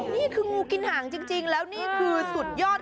ซื่อเงียบที่และนี่คือสุดยอด